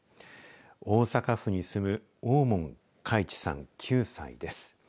大阪府に住む大門海智さん、９歳です。